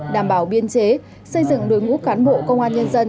đảm bảo biên chế xây dựng đối ngũ cán bộ công an nhân dân